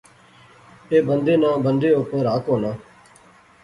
ایہہ بندے ناں بندے اپر حق ہونا